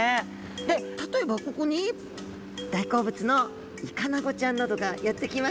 で例えばここに大好物のイカナゴちゃんなどが寄ってきます。